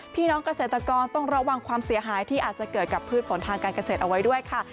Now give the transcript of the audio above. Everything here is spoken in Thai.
พี่น้องเกษตรกรต้องระวังความเสียหายที่อาจจะเกิดกับพืชผลทางการเกษตรเอาไว้ด้วยค่ะ